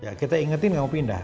ya kita ingetin mau pindah